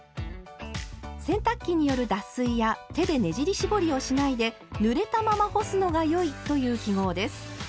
洗濯機による脱水や手でねじり絞りをしないで「ぬれたまま干すのがよい」という記号です。